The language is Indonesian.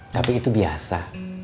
tapi itu biasa